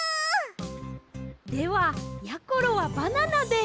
ではやころはバナナで。